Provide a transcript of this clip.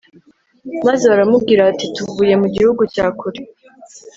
maze baramubwira bati tuvuye mu gihugu cya kure